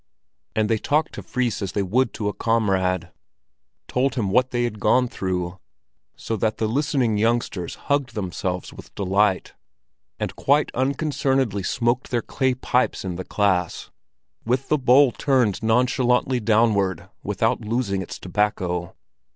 And they talked to Fris as they would to a comrade, told him what they had gone through, so that the listening youngsters hugged themselves with delight, and quite unconcernedly smoked their clay pipes in the class—with the bowl turned nonchalantly downward without losing its tobacco.